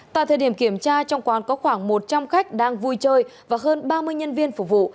tại thời điểm kiểm tra trong quán có khoảng một trăm linh khách đang vui chơi và hơn ba mươi nhân viên phục vụ